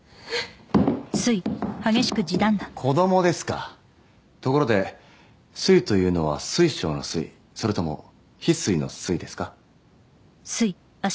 子どもですかところで「すい」というのは水晶の「すい」それともひすいの「すい」ですか？